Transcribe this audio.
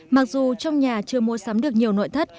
mặc dù trong nhà chưa mua sắm được nhiều nội thất